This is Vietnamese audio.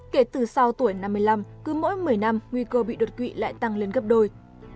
kể từ sau tuổi năm mươi năm cứ mỗi một mươi năm nguy cơ bị đột quỵ lại tăng lên gấp đôi